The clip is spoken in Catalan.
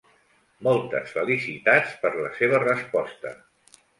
Moltes felicitats per la seva resposta.